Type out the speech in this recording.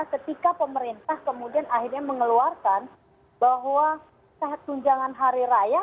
ketika pemerintah kemudian akhirnya mengeluarkan bahwa saat tunjangan hari raya